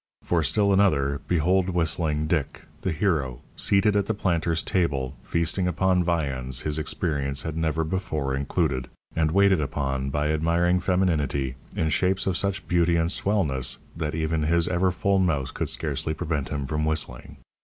For still another, behold Whistling Dick, the hero, seated at the planter's table, feasting upon viands his experience had never before included, and waited upon by admiring femininity in shapes of such beauty and "swellness" that even his ever full mouth could scarcely prevent him from whistling.